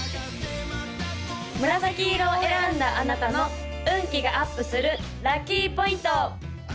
紫色を選んだあなたの運気がアップするラッキーポイント！